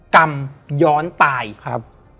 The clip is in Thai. กรรมย้อนตายครับ